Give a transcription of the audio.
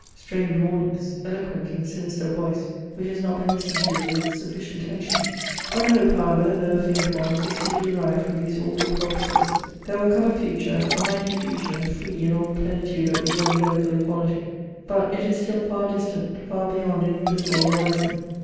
Strange warnings! eloquent and sinister voice, which has not been listened to with sufficient attention ! One hope, however, though a faint one, is to be derived from these awful prophecies :'' There will come a future, a mighty future, free in all the plenitude of evangelical equality; but it is still far distant, far beyond any visible horizon.